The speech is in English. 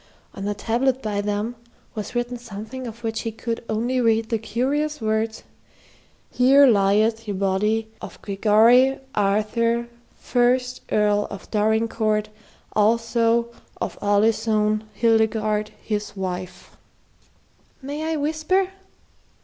On the tablet by them was written something of which he could only read the curious words: "Here lyeth ye bodye of Gregorye Arthure Fyrst Earle of Dorincourt Allsoe of Alisone Hildegarde hys wyfe." "May I whisper?"